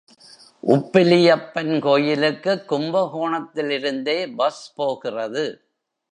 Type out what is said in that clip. Oppiliappan கோயிலுக்குக் கும்பகோணத்திலிருந்தே bus போகிறது.